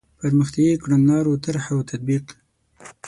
پرمختیایي کړنلارو طرح او تطبیق.